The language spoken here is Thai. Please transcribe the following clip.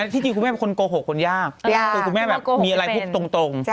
ที่จริงคุณแม่เป็นคนโกหกคนยากตัวคุณแม่แบบมีอะไรพูดตรง